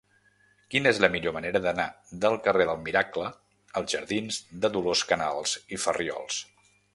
Quina és la millor manera d'anar del carrer del Miracle als jardins de Dolors Canals i Farriols?